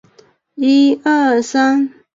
鲁勒河畔维雷人口变化图示